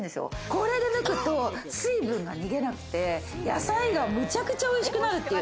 これでむくと水分が逃げなくて、野菜がむちゃくちゃ、おいしくなるという。